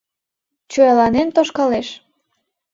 Чояланен тошкалеш.